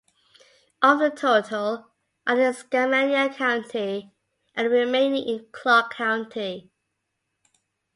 Of the total, are in Skamania County, and the remaining are in Clark County.